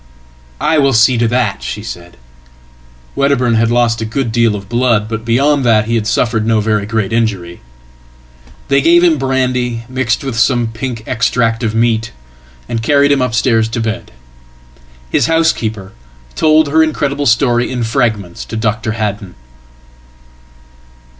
""I will see to that," she said. Wedderburn had lost a good deal of blood, but beyond that he had sufferedno very great injury. They gave him brandy mixed with some pink extract ofmeat, and carried him upstairs to bed. His housekeeper told her incrediblestory in fragments to Dr. Haddon.